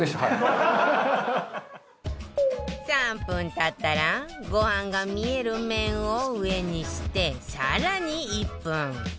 ３分経ったらご飯が見える面を上にして更に１分